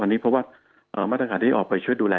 อันนี้เพราะว่ามาตรฐานที่ออกไปช่วยดูแล